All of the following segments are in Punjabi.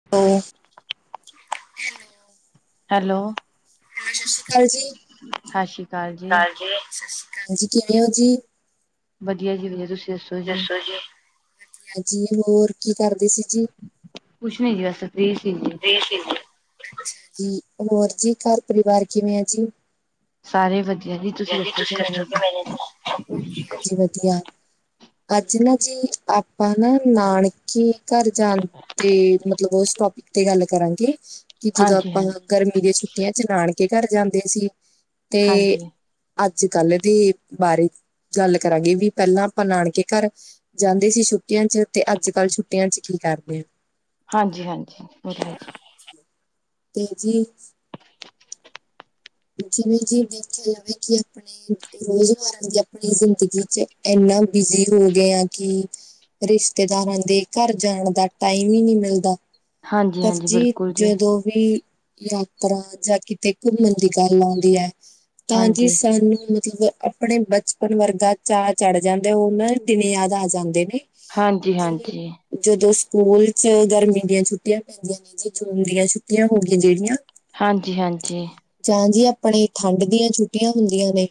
[unintelligible] ਹੈਲੋ। ਸਤਿ ਸ਼੍ਰੀ ਅਕਾਲ ਜੀ ਸਤਿ ਸ਼੍ਰੀ ਅਕਾਲ, ਸਤਿ ਸ਼੍ਰੀ ਆਕਾਲ ਜੀ ਕਿਵੇਂ ਹੋ ਜੀ। ਵਧੀਆ ਜੀ ਵਧੀਆ, ਤੁਸੀਂ ਦੱਸੋ? ਦੱਸੋ ਜੀ ਵਧੀਆ ਜੀ ਹੋਰ ਕੀ ਕਰਦੇ ਸੀ ਜੀ। ਕੁਛ ਨੀ ਜੀ ਬਸ ਫ੍ਰੀ ਸੀ ਬਸ ਵਧੀਆ ਜੀ ਅੱਛਾ ਜੀ, ਹੋਰ ਜੀ ਘਰ ਪਰਿਵਾਰ ਕਿਵੇਂ ਆ ਜੀ? ਸਾਰੇ ਵਧੀਆ ਜੀ। ਵਧੀਆ ਜੀ, ਤੁਸੀਂ ਦੱਸੋ ਕਿਵੇਂ ਨੇ ਇਧਰ ਵਧੀਆ ਜੀ ਵਧੀਆ। ਅੱਜ ਨਾ ਜੀ ਆਪਾਂ ਨਾ ਨਾਨਕੇ। ਕੀ ਘਰ ਜਾਣ ਤੇ ਮਤਲਬ ਉਸ ਟੋਪਿਕ ਤੇ ਗੱਲ ਕਰਾਂਗੇ, ਕਿ ਜਦੋਂ ਹਾਂਜੀ ਆਪਾਂ। ਹਾਂਜੀ ਗਰਮੀ ਦੀਆਂ ਛੁੱਟੀਆਂ ਚ ਨਾਨਕੇ ਘਰ ਜਾਂਦੇ ਸੀ ਤੇ। ਹਾਂਜੀ ਅੱਜ ਕੱਲ੍ਹ ਦੇ ਬਾਰੇ ਗੱਲ ਕਰਾਂਗੇ ਵੀ ਪਹਿਲਾਂ ਆਪਾਂ ਨਾਨਕੇ ਘਰ। ਜਾਂਦੇ ਸੀ, ਛੁੱਟੀਆਂ ਚ ਤੇ ਅੱਜ ਕੱਲ ਛੁੱਟੀਆਂ ਚ ਕੀ ਕਰਦੇ ਆ। ਹਾਂਜੀ-ਹਾਂਜੀ, ਔ ਤਾ ਹੈ। ਤੇ ਜੀ। [unintelligible] ਰੋਜ਼ਮਾਰਾ ਦੀ ਆਪਣੀ ਜ਼ਿੰਦਗੀ ਚ ਇਨਾ ਬਿਜੀ ਹੋ ਗਏ ਆ ਕਿ। ਰਿਸ਼ਤੇਦਾਰਾਂ ਦੇ ਘਰ ਜਾਣ ਦਾ ਟਾਈਮ ਹੀ ਨਹੀਂ ਮਿਲਦਾ। ਹਾਂਜੀ ਪਰ ਹਾਂਜੀ ਜੀ ਬਿਲਕੁਲ ਜਦੋਂ ਵੀ। ਯਾਤਰਾ ਜਾਂ ਕਿਤੇ ਘੁੰਮਣ ਦੀ ਗੱਲ ਆਉਂਦੀ ਹੈ। ਹਾਂਜੀ [unintelligible] ਆਪਣੇ ਬਚਪਨ ਵਰਗਾ ਚਾਅ ਚੜ੍ਹ ਜਾਂਦਾ, ਉਹਨਾਂ ਦੇ ਦਿਨ ਯਾਦ ਆ ਜਾਂਦੇ ਨੇ। ਕਿ ਹਾਂਜੀ-ਹਾਂਜੀ। ਜਦੋਂ ਸਕੂਲ ਚ ਗਰਮੀ ਦੀਆਂ ਛੁੱਟੀਆਂ ਪੈਂਦੀਆਂ ਨੇ, ਜੀ ਜੂਨ ਦੀਆਂ ਛੁੱਟੀਆਂ ਹੋ ਗਈਆਂ ਜਿਹੜੀਆਂ। ਹਾਂਜੀ-ਹਾਂਜੀ। ਜਾਂ ਜੀ ਆਪਣੇ ਠੰਡ ਦੀਆਂ ਛੁੱਟੀਆਂ ਹੁੰਦੀਆਂ ਨੇ।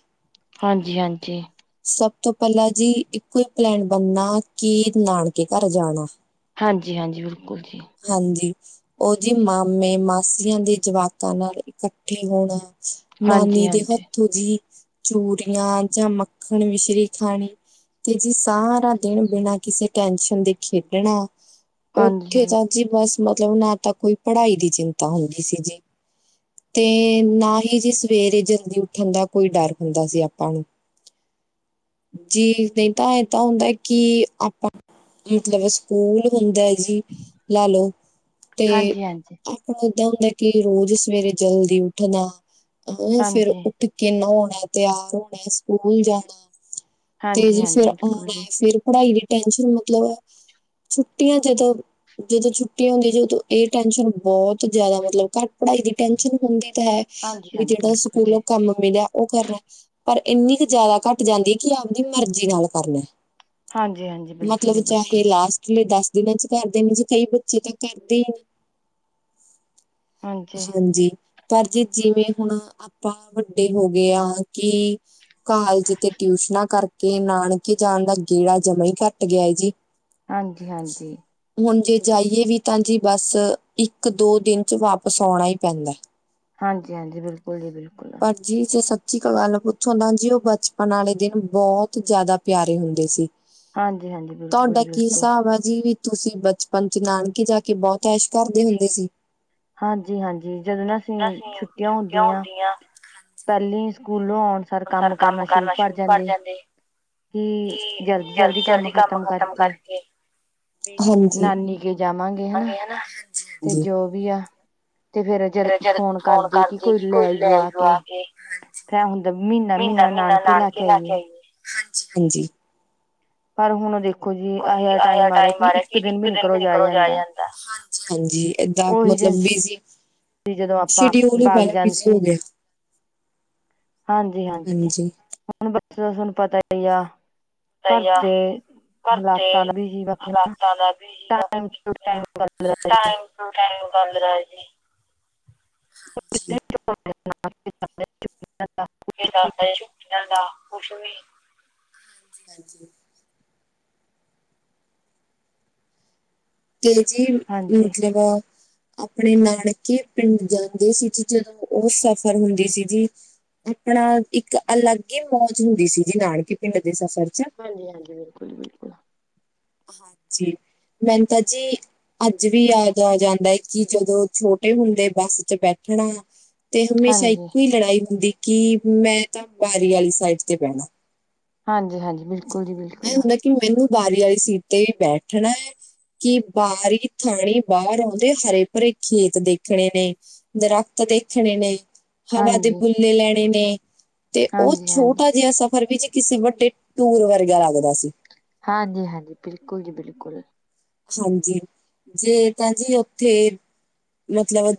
ਹਾਂਜੀ-ਹਾਂਜੀ। ਸਭ ਤੋਂ ਪਹਿਲਾਂ ਜੀ ਇੱਕੋ ਹੀ ਪਲੈਨ ਬਣਨਾ ਕਿ ਨਾਨਕੇ ਘਰ ਜਾਣਾ। ਹਾਂਜੀ-ਹਾਂਜੀ ਬਿਲਕੁਲ ਜੀ। ਹਾਂਜੀ ਉਹਜੀ ਮਾਮੇ ਮਾਸਿਆ ਦੇ ਜਵਾਕਾਂ ਨਾਲ ਇਕਠ। ਇਕੱਠੇ ਹੋਣਾ ਹਾਂਜੀ ਹਾਂਜੀ ਨਾਨੀ ਦੇ ਹਾਂਜੀ ਹਾਂਜੀ ਹੱਥ। ਜੀ ਚੂਰੀਆਂ ਜਾਂ ਮੱਖਣ ਮਿਸ਼ਰੀ ਖਾਣੀ। ਤੇ ਜੀ ਸਾਰਾ ਦਿਨ ਬਿਨਾਂ ਕਿਸੇ ਟੈੈਂਨਸ਼ਨ ਦੇ ਖੇਡਣਾ। ਹਾਂਜੀ ਓਥੇ ਤਾਂ ਜੀ ਬਸ ਮਤਲਬ ਨਾ ਤਾਂ ਕੋਈ ਪੜਾਈ ਦੀ ਚਿੰਤਾ ਹੁੰਦੀ ਸੀ ਜੀ ਤੇ, ਨਾਹੀ ਜੀ ਸਵੇਰੇ ਜਲਦੀ ਉਠਨ ਦਾ ਕੋਈ ਡਰ ਹੁੰਦਾ ਸੀ ਆਪਾਂ ਨੂ ਜੀ ਨਈ ਤਾਂ ਏਦਾਂ ਹੁੰਦੈ ਕਿ, ਆਪਾਂ, ਮਤਲਬ ਸਕੂਲ ਹੁੰਦਾ ਜੀ, ਲਾਲੋ ਤੇ ਹਾਂਜੀ ਹੁਣ ਏਦਾਂ ਹੁੰਦਾ ਕਿ ਰੋਜ ਸਵੇਰੇ ਜਲਦੀ ਉਠਨਾ, ਫਿਰ ਹਾਂਜੀ ਕਿਨਾ ਹੋਣਾ ਤੇਆਰ ਹੋਣਾ ਸੂਕੂਲ ਜਾਣਾ ਤੇ ਹਾਂਜੀ ਜੀ ਹਾਂਜੀ ਫੇਰ ਬਿਲਕੁਲ ਓਣ ਜੀ ਫੇਰ ਪਢਾਈ ਦੀ ਟੈਨਸ਼ਨ ਮਤਲਬ, ਛੁੱਟੀਆਂ ਜਦੋਂ ਜਦੋਂ ਛੁੱਟੀ ਹੁੰਦੀ ਜੀ ਉਦੋਂ ਏ ਟੈਨਸ਼ਨ ਬੋਤ ਜਾਦਾ ਮਤਲਬ ਘੱਟ ਪਢਾਈ ਦੀ ਟੈਨਸ਼ਨ ਹੁੰਦੀ ਤੇ ਹੈ, ਹਾਂਜੀ ਵੀ ਹਾਂਜੀ ਜੇੜਾ ਬਿਲਕੁਲ ਜੀ ਸਕੂਲਾਂ ਕੰਮ ਮਿਲਿਆ ਓ ਕਰਨਾ, ਪਰ ਇਨੀ ਕ ਜਾਦਾ ਘੱਟ ਜਾਂਦੀਏ ਕਿ ਆਪਦੀ ਮਰਜੀ ਨਾਲ ਕਰਨੈ ਹਾਂਜੀ ਹਾਂਜੀ ਬਿਲਕੁਲ ਜੀ ਮਤਲਬ ਬਿਲਕੁਲ ਚਾਹੇ ਲਾਸਟ ਲਈ ਦਸ ਦਿਨਾ ਚ ਕਾਰਦੇਨੇ ਜੇ ਕਈ ਬੱਚੇ ਤਾ ਕਾਰਦੇ ਈਨੀ। ਹਾਂਜੀ, ਪਰ ਜੇ ਜਿਵੇਂ ਹੁਣ ਆਪਾਂ ਵੱਡੇ ਹੋ ਗਏ ਆਂ ਕਿ ਕਾਲਜ ਤੇ ਟਿਊਸ਼ਨਾਂ ਕਾਰਕੇ ਨਾਨਕੇ ਜਾਣ ਦਾ ਗੇੜਾ ਜਮਾ ਈ ਘੱਟ ਗੇਆ ਏਜੀ। ਹਾਂਜੀ, ਹਾਂਜੀ। ਹੁਨ ਜੇ ਜਾਈਏ ਵੀ ਤਾਂ ਜੀ ਬਸ ਇਕ, ਦੋ ਦਿਨ ਚ ਵਾਪਸ ਓਣਾ ਈ ਪੈਂਦਾ। ਹਾਂਜੀ, ਹਾਂਜੀ ਬਿਲਕੁਲ ਜੀ ਬਿਲਕੁਲ। ਪਰ ਜੀ ਜੇ ਸੱਚੀ ਅਕ ਗਲ ਪੁੱਛੋਂ ਤਾਂ ਜੀ ਓ ਬਚਪਨ ਆਲੇ ਦਿਨ ਬੋਤ ਜਾਦਾ ਪੇਆਰੇ ਹੁੰਦੇ ਸੀ। ਹਾਂਜੀ-ਹਾਂਜੀ, ਬਿਲਕੁਲ ਤੁਆਡਾ ਜੀ ਕੀ ਬਿਲਕੁਲ। ਹਿਸਾਬ ਆ ਜੀ? ਤੂਸੀ ਬਚਪਨ'ਚ ਨਾਣਕੇ ਜਾਕੇ ਬਹੁਤ ਐਸ਼ ਕਰਦੇ ਹੁੰਦੇ ਸੀ? ਹਾਂਜੀ-ਹਾਂਜੀ, ਜਦੋਂ ਨਾ ਅਸੀ ਛੁੱਟੀਆਂ ਹੁੰਦੀਆਂ, ਪਹਿਲੇ ਈ ਸਕੂਲੋਂ ਔਣ ਸਾਰ ਕੰਮ ਕਰਨਾ ਸ਼ੁਰੂ ਕਰ ਜਾਂਦੇ ਕਿ, ਜਲਦੀ-ਜਲਦੀ ਕੰਮ ਖਤਮ ਕਰਕੇ, ਹਾਂਜੀ। ਨਾਨੀ ਗੇ ਜਾਵਾਂਗੇ ਹਨਾ [unintelligible] ਤੇ, ਜੋ ਵੀ ਆ ਤੇ ਫਿਰ ਜਰਕ ਫੋਨ ਕਾਰਦੇ ਕੀ, ਕੋਈ ਲੈਜੋ ਆਕੇ। ਐਂ ਹੁੰਦਾ ਮ੍ਹੀਨਾ-ਮ੍ਹੀਨਾ ਨਾਣਕੇ ਲਾਕੇ ਆਈਏ। ਹਾਂਜੀ-ਹਾਂਜੀ। ਪਰ ਹੁਣ ਦੇਖੋ ਜੀ, ਏਹਾ ਜਾ ਟਾਈਮ ਆਰਿਆ ਕਿ ਇਕ ਦਿਨ ਵੀ ਨੀ ਘਰੋ ਜਾਇਆ ਜਾਂਦਾ। ਹਾਂਜੀ-ਹਾਂਜੀ, ਏਦਾਂ ਉਹੀ ਦਿਨ ਮਤਲਬ ਬਿਜੀ਼, ਸੀ ਜਦੋਂ ਆਪਾਂ ਸ਼ਿਡੀਊਲ ਈ ਬਾਗ ਪੈਲਾਂ ਜਾਂਦੇ ਬਿਜੀ਼ ਸੀ, ਹੋਗਿਆ। [inaudible] ਹਾਂਜੀ-ਹਾਂਜੀ, ਹੁਣ ਬਸ ਤੂਆਨੂੰ ਪਤਾਈ ਆ, ਘਾਰਦੇ ਹਲਾਂਤਾ ਦਾ ਵੀ ਜੀ ਆਖੀਏ ਨਾ, ਟਾਇਮ ਟੂ ਟਾਇਮ [unintelligible] ਕੌਣ ਟਾਇਮ‌ ਕੱਢਦਾ ਜੀ। [unintelligible] ਮ੍ਹੀਨਾ ਦਾ [unintelligible] ਕੁਸ਼ ਵੀ ਨੀ, ਹਾਂਜੀ-ਹਾਂਜੀ। ਕੇ ਜੀ, ਹਾਂਜੀ ਮਤਲਬ ਅਪਣੇ ਨਾਨਕੇ ਪਿੰਡ ਜਾਂਦੇ ਸੀ, ਜੀ'ਚ ਓ ਸਫ਼ਰ ਹੁੰਦੀ ਸੀ, ਜੀ ਅਪਣਾ, ਇਕ ਅਲਗ ਈ ਮੌਜ ਹੁੰਦੀ ਸੀ ਜੀ, ਨਾਣਕੇ ਪਿੰਡ ਦੇ ਸਫ਼ਰ'ਚ। ਹਾਂਜੀ-ਹਾਂਜੀ, ਬਿਲਕੁਲ, ਬਿਲਕੁਲ। ਹਾਂਜੀ, ਮੈਨ ਤਾ ਜੀ ਅੱਜ ਵੀ ਯਾਦ ਆ ਜਾਂਦਾ ਏ ਕਿ, ਜਦੋਂ ਛੋਟੇ ਹੁੰਦੇ ਬਸ'ਚ ਬੈਠਣਾ ਤੇ ਹਮੇਸ਼ਾ ਹਾਂਜੀ ਇਕੋ ਈ ਲੜਾਈ ਹੁੰਦੀ ਕਿ, ਮੈਂ ਤਾਂ ਬਾਰੀ ਆਲੀ ਸਾਈਡ ਤੇ ਬਹਿਣਾ। ਹਾਂਜੀ-ਹਾਂਜੀ, ਬਿਲਕੁਲ ਜੀ, ਐ ਬਿਲਕੁਲ। ਹੁੰਦਾ ਕਿ ਮੈਨੂ, ਬਾਰੀ ਆਲੀ ਸੀਟ ਤੇ ਬੈਠਣੈ ਕਿ, ਬਾਰੀ ਥਾਣੀ ਬਾਹਰ ਆਂਉਦੇ ਹਰੇ-ਭਰੇ ਖੇਤ ਦੇਖਣੇ ਨੇ ਦਰੱਖਤ ਦੇਖਣੇ ਨੇ। ਹਵਾ ਦੇ ਹਾਂਜੀ ਬੁੱਲੇ ਲੈਣੇ ਨੇ, ਤੇ ਓ ਹਾਂਜੀ ਹਾਂਜੀ ਛੋਟਾ ਜਿਹਾ ਸਫ਼ਰ ਵੀ ਕਿਸੇ ਵੱਡੇ, ਟੂਰ ਵਰਗਾ ਲਗਦਾ ਸੀ। ਹਾਂਜੀ-ਹਾਂਜੀ, ਬਿਲਕੁਲ ਜੀ, ਬਿਲਕੁਲ। ਹਾਂਜੀ, ਜੇ ਤਾਂ ਜੀ ਓੱਥੇ ਮਤਲਬ,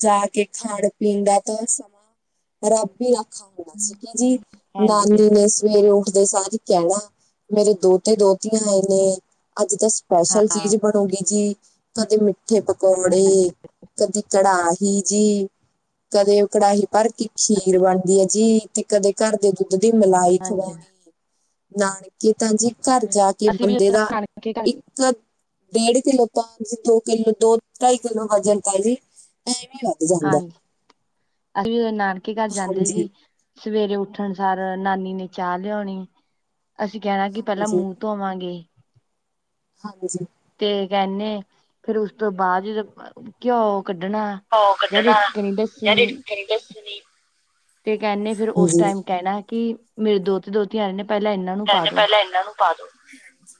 ਜਾਕੇ ਖਾਣ-ਪੀਣ ਦਾ ਤਾਂ ਸਮਾਂ ਰੱਬ ਹੀ ਰਾਖਾ [unintelligible] ਜੀ ਹਾਂਜੀ ਨਾਨੀ ਨੇ ਸ ਹਾਂਜੀ ਸਵੇਰੇ ਉੱਠਦੇ ਸਾਰ ਹੀ ਕਹਿਣਾ, ਮੇਰੇ ਦੋਤੇ-ਦੋਤੀਆਂ ਆਏ ਨੇ, ਅੱਜ ਤਾ ਹਾਂ ਸਪੈਸ਼ਲ ਚੀਜ਼ ਬਣੂਗੀ ਜੀ, ਕਦੇ ਮਿੱਠੇ-ਪਕੌੜੇ ਕਦੀ ਕੜਾਹੀ ਜੀ, ਕਦੇ ਉਹ ਕੜਾਹੀ ਪਰ ਕੀ ਖੀਰ ਬਣਦੀ ਹੈ ਜੀ, ਤੇ ਕਦੇ ਘਰ ਦੇ ਦੁੱਧ ਦੀ ਮਲਾਈ ਹਾਂਜੀ ਖਵਾਓਣੀ ਨਾਣਕੇ ਤਾਂ ਜੀ ਅਸੀਂ ਵੀ ਉਦਾਂ ਨਾਣਕੇ ਢ ਮਤਲਬ ਡੇਢ ਕਿੱਲੋ ਭਾਨ'ਚ ਦੋ-ਕਿੱਲੋ, ਦੋ, ਢਾਈ ਕਿੱਲੋ ਗਾਜਰ ਪਾਜ ਨਹੀਂ ਵੀ ਹਾਂਜੀ, ਅਸੀਂ ਨਾਣਕੇ ਘਰ ਜਾਂਦੇ ਹਾਂਜੀ ਸੀ ਸਵੇਰੇ ਉੱਠਣ ਸਾਰ ਨਾਨੀ ਨੇ ਚਾਹ ਲਿਆਉਣੀ, ਅਸੀਂ ਕਹਿਣਾ ਕਿ ਪਹਿਲਾਂ ਹਾਂਜੀ ਮੂੰਹ ਧੋਵਾਂਗੇ। ਹਾਂਜੀ। ਤੇ ਕਹਿੰਨੇ, ਫਿਰ ਉਸ ਤੋਂ ਬਾਅਦ ਜਦੋਂ ਘਿਓ ਕੱਢਣਾ ਯਾ ਰਿਡਕਣੀ, ਡੱਸਣੀ ਫੇਰ ਦੱਸੋ ਜੀ, ਤੇ ਕਹਿੰਨੇ ਫੇਰ ਉਸ ਟਾਈਮ ਕਹਿਣਾ ਕਿ ਮੇਰੇ ਦੋਤੇ ਦੋਤੀ। ਕਹ ਰਹੇ ਨੇ ਪਹਿਲਾਂ ਇਹਨਾਂ ਨੂੰ ਪਾ ਦੋ।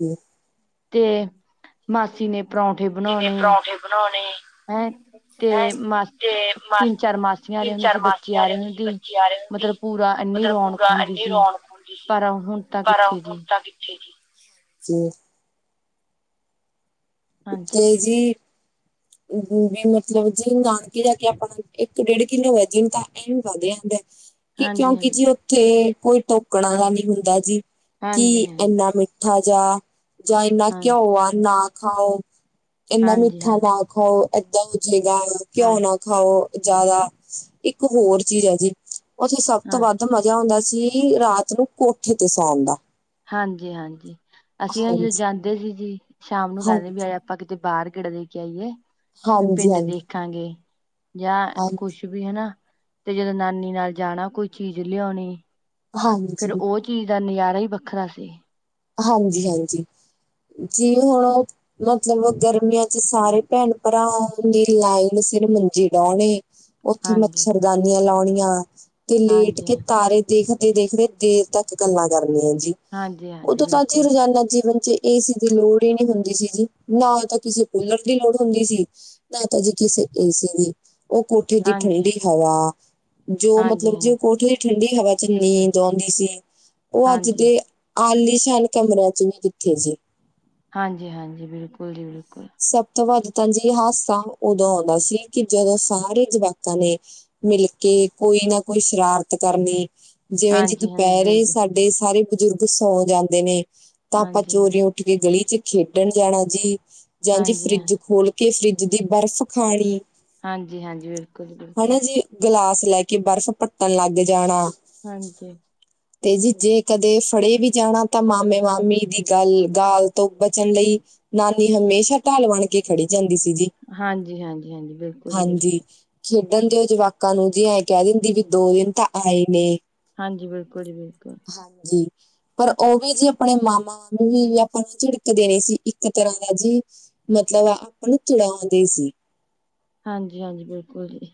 ਜੀ ਤੇ ਮਾਸੀ ਨੇ ਪਰੌਂਠੇ ਬਣਾਉਣੇ ਹੈਂ। ਤੇ ਮਾਸ ਤਿੰਨ ਚਾਰ ਮਾਸੀਆਂ ਆ ਰਹੀਆਂ ਹੁੰਦੀਆਂ ਸੀ, ਬੱਚੇ ਆ ਰਹੇ ਹੁੰਦੇ ਤੀ ਮਤਲਬ ਪੂਰਾ ਇੰਨੀ ਰੌਣਕ ਹੁੰਦੀ ਸੀ, ਪਰ ਹੁਣ ਤਾਂ ਕਿੱਥੇ ਜੀ। ਕਿੱਥੇ ਹੈ [unintelligible] ਹਾਂਜੀ ਕੇ ਜੀ ਵੀ ਮਤਲਬ ਜੀ ਨਾਨਕੇ ਜਾ ਕੇ ਆਪਣਾ ਇੱਕ ਡੇਢ ਕਿਲੋ ਵਜਨ ਤਾਂ ਇਹ ਵੀ ਵੱਧ ਜਾਂਦਾ। ਕਿ ਹਾਂਜੀ ਕਿਉਂਕਿ ਹਾਂਜੀ ਜੀ ਉੱਥੇ ਕੋਈ ਟੋਕਣ ਆਲਾ ਨੀ ਹੁੰਦਾ, ਜੀ ਕਿ ਹਾਂਜੀ ਇਨਾ ਮ ਮਿੱਠਾ ਜਾ ਜਾਂ ਇੰਨਾ ਹਾਂਜੀ ਘਿਓ ਆ ਨਾ ਖਾਓ ਇੰਨਾ ਹਾਂਜੀ ਮਿੱਠਾ ਹਾਂਜੀ ਨਾ ਖਾਓ ਏਦਾਂ ਹੋ ਜਾਏਗਾ, ਘਿਉਂ ਹਾਂਜੀ ਨਾ ਖਾਓ ਜਿਆਦਾ ਇੱਕ ਹੋਰ ਚੀਜ਼ ਹੈ ਜੀ। ਉੱਥੇ ਸਭ ਤੋਂ ਹਾਂ ਵੱਧ ਮਜ਼ਾ ਹੁੰਦਾ ਸੀ, ਰਾਤ ਨੂੰ ਕੋਠੇ ਤੇ ਸੌਉਣ ਦਾ। ਹਾਂਜੀ ਹਾਂਜੀ ਅਸੀਂ ਜਦੋਂ ਹਾਂਜੀ ਜਾਂਦੇ ਸੀ, ਜੀ ਸ਼ਾਮ ਨੂੰ ਕਹਿੰਦੇ ਵੀ ਹਾਂਜੀ ਆ ਜਾ। ਆਪਾਂ ਕਿਤੇ ਬਾਹਰ ਗੇੜਾ ਦੇ ਕੇ ਆਈਏ ਵੀ ਹਾਂਜੀ ਪਿੰਡ ਹਾਂਜੀ ਦੇਖਾਂਗੇ, ਜਾਂ ਹਾਂਜੀ ਕੁਛ ਵੀ ਹੈਨਾ ਤੇ ਜਦੋਂ ਨਾਨੀ ਨਾਲ ਜਾਣਾ ਕੋਈ ਚੀਜ਼ ਲਿਆਉਣੀ। ਫੇਰ ਹਾਂਜੀ ਉਹ ਚੀਜ਼ ਦਾ ਨਜ਼ਾਰਾ ਹੀ ਵੱਖਰਾ ਸੀ। ਹਾਂਜੀ-ਹਾਂਜੀ, ਜੀ ਹੁਣ ਮਤਲਬ ਗਰਮੀਆਂ ਚ ਸਾਰੇ ਭੈਣ ਭਰਾ ਦੀ ਲਾਈਨ ਸਿਰ ਮੰਜੀੇ ਡਾਉਣੀ ਉੱਥੇ ਹਾਂਜੀ। ਮੱਛਰ ਦਾਨੀਆਂ ਲਾਉਣੀਆਂ ਤੇ ਲੇਟ ਹਾਂਜੀ, ਕੇ ਤਾਰੇ, ਦੇਖਦੇ ਦੇਖਦੇ ਦੇਰ ਤੱਕ ਗੱਲਾਂ ਕਰਨੀਆਂ ਜੀ। ਹਾਂਜੀ ਹਾਂ, ਉਹਦੋਂ ਤਾਂ ਜੀ ਰੋਜ਼ਾਨਾ ਜੀਵਨ ਚ, ਏ ਸੀ ਦੀ ਲੋੜ ਹੀ ਨਹੀਂ ਹੁੰਦੀ ਸੀ ਜੀ ਨਾ ਤਾਂ ਕਿਸੇ ਕੂਲਰ ਦੀ ਲੋੜ ਹੁੰਦੀ ਸੀ। ਨਾਤਾ ਜੀ ਕਿਸੇ ਏ ਸੀ ਦੀ, ਉਹ ਕੋਠੇ ਦੀ ਹਾਂਜੀ, ਠੰਡੀ ਹਵਾ ਜੋ ਮਤਲਬ ਜੇ ਉਹ ਹਾਂਜੀ-ਹਾਂਜੀ, ਕੋਠੇ ਠੰਡੀ ਹਵਾ ਚ ਨੀਂਦ ਆਉਂਦੀ ਸੀ ਉਹ ਅੱਜ ਹਾਂਜੀ। ਦੇ ਆਲੀਸ਼ਾਨ ਕਮਰਿਆਂ ਚ ਵੀ ਕਿੱਥੇ ਜੀ, ਹਾਂਜੀ-ਹਾਂਜੀ, ਬਿਲਕੁਲ ਜੀ ਬਿਲਕੁਲ, ਸਭ ਤੋਂ ਵੱਧ ਤਾਂ ਜੀ ਹਾਸਾ ਉਦੋਂ ਆਉਂਦਾ ਸੀ ਕਿ ਜਦੋਂ ਸਾਰੇ ਜਵਾਕਾਂ ਨੇ, ਮਿਲਕੇ ਕੋਈ ਨਾ ਕੋਈ ਸ਼ਰਾਰਤ ਕਰਨੀ ਜਿਵੇਂ ਜੀ ਹਾਂਜੀ-ਹਾਂਜੀ ਦੁਪਹਿਰੇ ਬਿਲਕੁਲ, ਸਾਡੇ ਸਾਰੇ ਬਜ਼ੁਰਗ ਸੌਂ ਜਾਂਦੇ ਨੇ, ਤਾਂ ਆਪਾਂ ਹਾਂਜੀ, ਚੋਰੀਓਂ ਕੀਤੇ ਗਲੀ਼ ਚ ਖੇਡਣ ਜਾਣਾ ਜੀ, ਜਾਂ ਜੀ ਹਾਂਜੀ, ਫ੍ਰੀਜ ਖੋਲ਼ ਕੇ ਫ੍ਰੀਜ ਦੀ ਬਰਫ਼ ਖਾਲੀ਼ ਹਾਂਜੀ, ਹਾਂਜੀ ਬਿਲਕੁਲ-ਬਿਲਕੁਲ। ਗਲਾਸ ਲੈ ਕੇ ਬਰਫ਼ ਪੱਟਣ ਲੱਗ ਜਾਣਾ ਹਾਂਜੀ। ਤੇ ਜੀ ਜੇ ਕਦੇ ਫੜੇ ਵੀ ਜਾਣਾ, ਤਾਂ ਮਾਮੇ ਮਾਮੇ ਦੀ ਗੱਲ ਦਾ ਤੋਂ ਬਚਨ ਲਈ ਨਾਨੀ ਹਮੇਸ਼ਾ ਢਾਲ ਬਣ ਕੇ ਖੜੀ ਜਾਂਦੀ ਸੀ ਜੀ। ਹਾਂਜੀ, ਹਾਂਜੀ, ਹਾਂਜੀ ਬਿਲਕੁਲ ਜੀ ਹਾਂਜੀ, ਬਿਲਕੁਲ। ਖੇਡਣ ਦੇਓ ਜਵਾਕਾਂ ਨੂੰ ਜੀ, ਐ ਕੈ ਦਿੰਦੀ ਵੀ ਦੋ ਦਿਨ ਤਾਂ ਆਏ ਨੇ। ਹਾਂਜੀ, ਬਿਲਕੁਲ ਜੀ ਬਿਲਕੁਲ। ਹਾਂਜੀ। ਪਰ ਓ ਵੀ ਜੀ ਆਪਣੇ ਮਾਮਾ ਮਾਮੀ ਵੀ, ਆਪਾਂ ਨੂੰ ਝਿੜਕ ਦੇ ਣੀ ਸੀ ਇੱਕ ਤਰ੍ਹਾਂ ਦਾ ਜੀ ਮਤਲਬ, ਆਪਾਂ ਨੂੰ ਚਿੜਾਉਂਦੇ ਸੀ। ਹਾਂਜੀ, ਹਾਂਜੀ ਬਿਲਕੁਲ ਜੀ।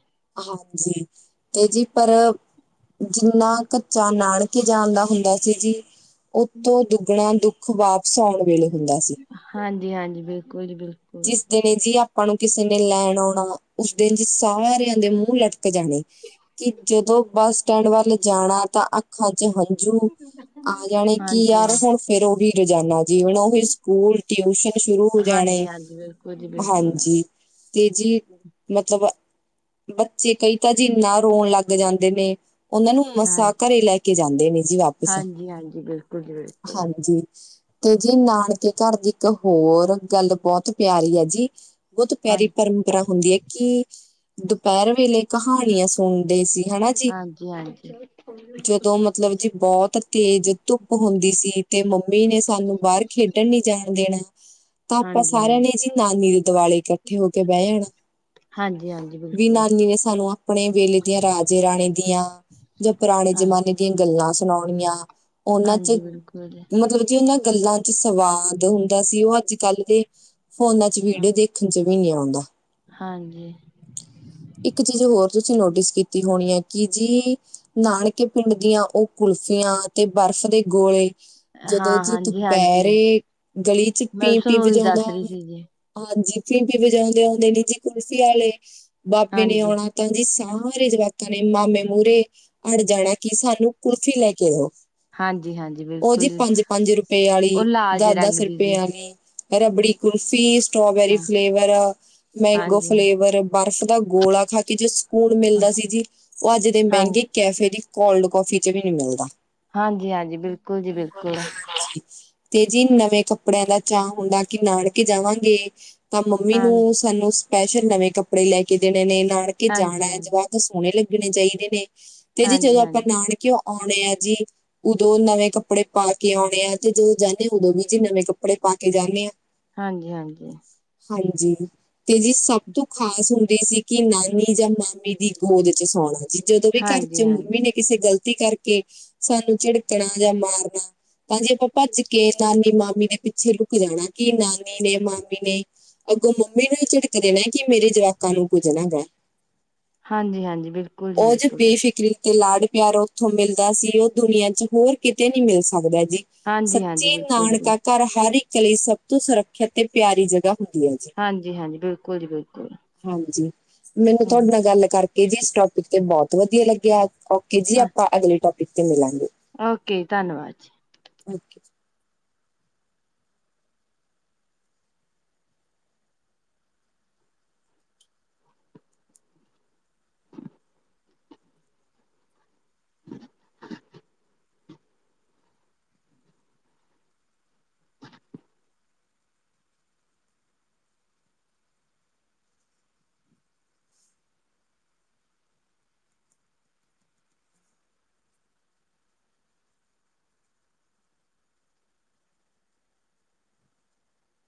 ਹਾਂਜੀ, ਤੇ ਜੀ ਪਰ ਜਿੰਨਾ ਕੱ ਚਾ, ਨਾਣਕੇ ਜਾਣ ਦਾ ਹੁੰਦਾ ਸੀ ਜੀ ਓਤੋਂ ਦੁੱਗਣਾ ਦੁੱਖ, ਵਾਪਸ ਔਣ ਵੇਲੇ ਹੁੰਦਾ ਸੀ। ਹਾਂਜੀ-ਹਾਂਜੀ, ਬਿਲਕੁਲ ਜੀ ਬਿਲਕੁਲ। [unintelligible] ਫੇਰ ਜੀ ਆਪਾਂ ਨੂੰ ਕਿਸੇ ਨੇ ਲੈਣ ਔਣਾ, ਉਸ ਦਿਨ ਜੀ ਸਾਰੇਆਂ ਦੇ ਮੂੰਹ ਲਟਕ ਜਾਂਣੇ। ਕਿ ਜਦੋਂ ਬੱਸ ਸਟੈਂਡ ਵੱਲ ਜਾਣਾ ਤਾਂ ਅੱਖਾਂ ਚ ਹੰਝੂ ਆ ਜਾਣੇ ਕੀ ਹਾਂਜੀ ਯਾਰ, ਹੋਣ ਫੇਰ ਓਹੀ ਰੋਜਾਨਾ ਜੀ ਹੋਣ ਓਹੀ ਸੂਕੂਲ, ਟਿਊਸ਼ਨ ਸ਼ੁਰੂ ਹੋ ਹਾਂਜੀ ਜਾਣੇ। ਹਾਂਜੀ ਬਿਲਕੁਲ ਜੀ। ਬਿਲਕੁਲ ਹਾਂਜੀ, ਤੇ ਜੀ ਮਤਲਬ ਬੱਚੇ ਕਈ ਤਾਂ ਜੀ ਈਨਾ ਰੋਣ ਲੱਗ ਜਾਂਦੇ ਨੇ। ਓਨਾਂ ਨੂੰ ਹਾਂ ਮਸਾ ਘਰੇ ਲੈ ਕੇ ਜਾਂਦੇ ਨੇ ਜੀ ਵਾਪ ਹਾਂਜੀ ਹਾਂਜੀ ਬਿਲਕੁਲ ਜੀ ਬਿਲਕੁਲ ਹਾਂਜੀ। ਤੇ ਜੀ ਨਾਨਕੇ ਘਰ ਦੀ ਇੱਕ ਹੋਰ ਗੱਲ ਬੋਤ ਪਿਆਰੀ ਆ ਜੀ। ਬੋਤ ਹਾਂ ਪਿਆਰੀ ਪਰੰਪਰਾ ਹੁੰਦੀ ਐ ਕੀ, ਦੁਪੈਰ ਵੇਲੇ ਕਹਾਣੀਆਂ ਸੋਣਦੇ ਸੀ ਹਣਾਂ। ਹਾਂਜੀ-ਹਾਂਜੀ। ਜਦੋਂ ਮਤਲਬ ਜੀ ਬੋਤ ਤੇਜ ਧੁੱਪ ਹੁੰਦੀ ਸੀ, ਤੇ ਮੰਮੀ ਨੇ ਸਾਨੂੰ ਬਾਰ ਖੇਡਣ ਨੀ ਜਾਣ ਦੇਣੈ, ਤਾਂ ਆਪਾਂ ਹਾਂਜੀ ਹਾਂ ਸਾਰੇਆਂ ਨੇ ਜੀ ਨਾਨੀ ਦੇ ਦਵਾਲੇ਼ ਕੱਠੇ ਹੋ ਕੇ ਬੈ ਜਾਣਾ। ਹਾਂਜੀ-ਹਾਂਜੀ। ਵੀ ਨਾਨੀ ਨੇ ਸਾਨੂੰ ਆਪਣੇ ਵੇਲੇ ਦੀਆਂ ਰਾਜੇ ਰਾਣੀ ਦੀਆਂ ਜਾਂ ਪਰਾਣੇ ਹਾਂਜੀ ਜਮਾਨੇ ਦੀਆਂ ਗੱਲਾਂ ਸੁਣਾਓਣੀਆਂ, ਓਨਾਂ ਚ ਹਾਂਜੀ ਬਿਲਕੁਲ ਜੀ ਮਤਲਬ ਜੇ ਓਨਾਂ ਗੱਲਾਂ ਚ ਸਵਾਦ ਹੁੰਦਾ ਸੀ, ਓ ਅੱਜ-ਕੱਲ ਦੇ ਫੋਨਾਂ ਚ ਵੀੜੀਓ ਹਾਂ ਦੇਖ ਦੇਖਣ ਚ ਵੀ ਨਹੀਂ ਆਉਂਦਾ। ਹਾਂਜੀ। ਇੱਕ ਚੀਜ ਹੋਰ ਤੁਸੀਂ ਨੋਟਿਸ ਕੀਤੀ ਹੋਣੀ ਐ ਕਿ ਜੀ ਨਾਣਕੇ ਪਿੰਡ ਦੀਆਂ ਓ ਕੁਲਫੀਆਂ ਤੇ ਬਰਫ਼ ਦੇ ਗੋਲੇ਼ ਜਦੋਂ ਹਾਂ ਜੀ ਹਾਂਜੀ ਹਾਂਜੀ ਦੁਪੈਰੇ ਗਲੀ਼ ਚ ਮੈਂ ਵੀ ਪੀ-ਪੀ ਤੁਹਾਨੂੰ ਉਹੀ ਵਜੋਂਦਾ ਦੱਸ ਰਹੀ ਔਣਾ ਸੀ ਜੀ ਹਾਂਜੀ, ਪੀਪੀਂ ਵਜਾਔਦੇ ਔਂਦੇ ਨੇ ਜੀ, ਕੁਲਫੀ ਵਾਲੇ਼ ਬਾਬੇ ਨੇ ਹਾਂਜੀ ਔਣਾ ਤਾਂ ਜੀ ਸਾਰੇ ਜਵਾਕਾਂ ਨੇ ਮਾਮੇ ਮੂਰੇ ਅੜ ਜਾਣਾ, ਕਿ ਸਾਨੂੰ ਕੁਲਫੀ ਲੈ ਕੇ ਦੋ। ਹਾਂਜੀ ਹਾਂਜੀ ਓ ਬਿਲਕੁਲ ਜੀ ਪੰਜ-ਪੰਜ ਰਪੇ ਆਲੀ਼, ਉਹ ਲਾਲ ਜੇ ਰੰਗ ਦਸ-ਦਸ ਦੀ ਰਪੇ ਸੀ ਵਾਲੀ਼ ਰਬੜੀ ਕੁਲਫੀ, ਸਟੋਬੇਰੀ ਹਾਂ ਫਲੇਵਰ, ਮੈਂਗੋ ਹਾਂਜੀ ਹਾਂ ਫਲੇਵਰ ਬਰਫ਼ ਦਾ ਗੋਲਾ਼ ਖਾ ਕੇ ਜੋ ਸਕੂਨ ਹਾਂ ਮਿਲਦਾ ਸੀ ਜੀ, ਓ ਅੱਜ ਦੇ ਹਾਂਜੀ ਮੈਂਗੇ ਕੈਫੇ ਦੀ ਕੋਲਡ ਕੋਫੀ ਚ ਵੀ ਨੀ ਮਿਲ਼ਦਾ। ਹਾਂਜੀ-ਹਾਂਜੀ, ਬਿਲਕੁਲ ਜੀ ਬਿਲਕੁਲ। [inaudible] ਤੇ ਜੀ ਨਵੇਂ ਕੱਪੜਿਆਂ ਦਾ ਚਾਅ ਹੁੰਦਾ ਕੀ ਨਾਨਕੇ ਜਾਵਾਂਗੇ ਤਾਂ ਮੰਮੀ ਹਾਂ ਨੂੰ- ਸਾਨੂੰ ਸਪੈਸ਼ਲ ਨਵੇਂ ਕੱਪੜੇ ਲੈ ਕੇ ਦੇਣੇ ਨੇ ਨਾਨਕੇ ਜਾਣਾ ਹਾਂਜੀ ਏ ਹਾਂਜੀ ਜਵਾਕ- ਸੋਣੇ ਲੱਗਣੇ ਚਾਈਦੇ ਨੇ। ਤੇ ਜੀ ਹਾਂਜੀ ਜਦੋਂ ਆਪਾਂ ਹਾਂਜੀ ਨਾਨਕਿਓ ਆਉਣੇ ਆਂ ਜੀ- ਉਦੋਂ ਨਵੇਂ ਕੱਪੜੇ ਪਾ ਕੇ ਆਉਣੇ ਆ ਤੇ ਜਦੋ ਜਾਂਨੇ ਆ ਓਦੋਂ ਵੀ ਜ ਨਵੇਂ ਕੱਪੜੇ ਪਾ ਕੇ ਜਾਂਨੇ ਆ। ਹਾਂਜੀ-ਹਾਂਜੀ। ਹਾਂਜੀ। ਤੇ ਜੀ ਸਭ ਤੋਂ ਖ਼ਾਸ ਹੁੰਦੀ ਸੀ ਕੀ ਨਾਨੀ ਜਾਂ ਮਾਮੀ ਦੀ ਗੋਦ ਚ ਸੌਣਾ। ਜੀ ਜਦੋਂ ਵੀ ਘਰ ਚ ਹਾਂਜੀ ਮੰਮੀ ਨੇ ਕਿਸੇ ਗ਼ਲਤੀ ਕਰਕੇ ਸਾਨੂੰ ਝਿੜਕਣਾ ਜਾਂ ਮਾਰਨਾ- ਤਾਂ ਜੇ ਆਪਾਂ ਭੱਜ ਕੇ ਨਾਨੀ-ਮਾਮੀ ਦੇ ਪਿੱਛੇ ਲੁਕ ਜਾਣਾ। ਕਿ ਨਾਨੀ ਨੇ, ਮਾਮੀ ਨੇ- ਅੱਗੋਂ ਮੰਮੀ ਨੂੰ ਈ ਝਿੜਕ ਦੇਣਾ ਕਿ ਮੇਰੇ ਜਵਾਕਾਂ ਨੂੰ ਕੁੱਝ ਨਾ ਕੈ। ਹਾਂਜੀ-ਹਾਂਜੀ। ਬਿਲਕੁਲ ਜੀ ਉਹ ਜੋ ਬਿਲਕੁਲ। ਬੇਫਿਕਰੀ ਤੇ ਲਾਡ ਪਿਆਰ ਓਥੋਂ ਮਿਲਦਾ ਸੀ ਓ ਦੁਨੀਆਂ ਚ ਹੋਰ ਕਿਤੇ ਨੀ ਮਿਲ ਸਕਦਾ ਜੀ। ਹਾਂਜੀ ਹਾਂਜੀ ਸੱਚੀ ਬਿਲਕੁਲ ਜੀ ਨਾਨਕਾ ਬਿਲਕੁਲ ਘਰ ਹਰ ਇੱਕ ਲਈ ਸਭ ਤੋਂ ਸੁਰੱਖਿਅਤ ਤੇ ਪਿਆਰੀ ਜਗ੍ਹਾ ਹੁੰਦੀ ਏ। ਹਾਂਜੀ-ਹਾਂਜੀ। ਬਿਲਕੁਲ ਜੀ ਬਿਲਕੁਲ। ਹਾਂਜੀ। ਮੈਨੂੰ ਤਾਡੇ ਨਾਲ ਗੱਲ ਕਰਕੇ ਜੀ ਇਸ ਟੋਪਿਕ ਤੇ ਬਹੁਤ ਵਧੀਆ ਲੱਗਿਆ। ਕਿ ਜੀ ਆਪਾਂ ਅਗਲੇ ਟੋਪਿਕ ਤੇ ਮਿਲਾਂਗੇ। ਓਕੇ, ਧੰਨਵਾਦ ਜੀ। ਓਕੇ [inaudible]